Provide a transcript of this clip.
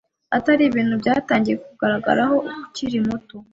atari ibintu byatangiye kukugaragaraho ukiri muto.”